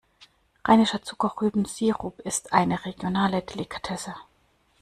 Rheinischer Zuckerrübensirup ist eine regionale Delikatesse.